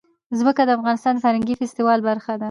ځمکه د افغانستان د فرهنګي فستیوالونو برخه ده.